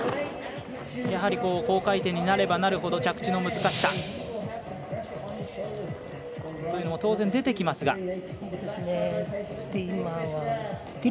やはり高回転になればなるほど着地の難しさというのも当然、出てきますが。